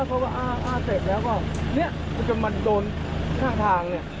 อ่าอ่าอ่าโอเดทแล้วก็ว่ามันโดนทางเนี่ย